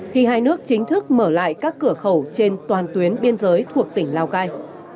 khi hai nước chính thức mở lại các cửa khẩu trên toàn tuyến biên giới thuộc tỉnh lào cai